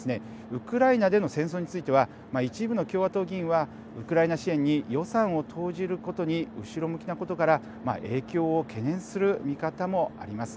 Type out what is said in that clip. ウクライナでの戦争については一部の共和党議員はウクライナ支援に予算を投じることに後ろ向きなことから影響を懸念する見方もあります。